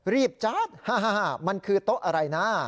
รีบจ๊ะมันคือโต๊ะอะไรนะ